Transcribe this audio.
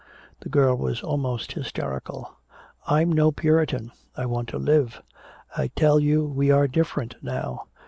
The girl was almost hysterical. "I'm no Puritan I want to live! I tell you we are different now!